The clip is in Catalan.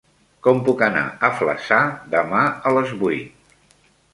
Com puc anar a Flaçà demà a les vuit?